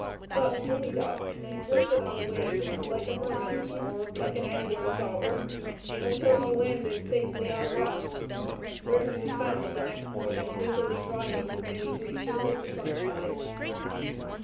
Thus buoyed up, he floated on the waves like a merman, or like an angler's dobber, until he landed safely on a rock, where he was found the next morning busily drying his many breeches in the sunshine.